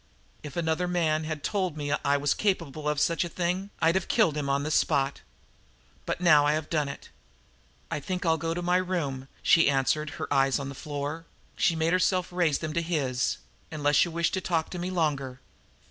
If another man had told me that I was capable of such a thing, I'd have killed him on the spot. But now I have done it!" "I think I'll go up to my room," she answered, her eyes on the floor. She made herself raise them to his. "Unless you wish to talk to me longer?"